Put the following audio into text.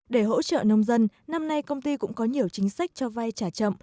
để hỗ trợ nông dân năm nay công ty cũng có nhiều chính sách cho vay trả chậm